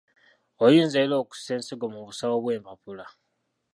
Oyinza era okussa ensigo mu busawo bw’empapula.